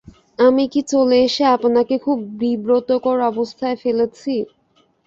আমি কি চলে এসে আপনাকে খুব বিব্রতকর অবস্থায় ফেলেছি।